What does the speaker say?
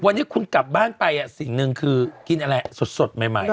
วันนี้คุณกลับบ้านไปสิ่งหนึ่งคือกินอะไรสดใหม่